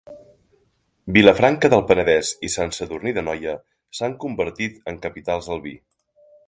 Vilafranca del Penedès i Sant Sadurní d'Anoia s'han convertit en capitals del vi.